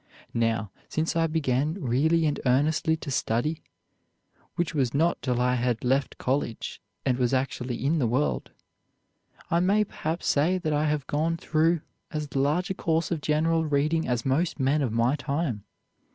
Now, since I began really and earnestly to study, which was not till I had left college and was actually in the world, I may perhaps say that I have gone through as large a course of general reading as most men of my time.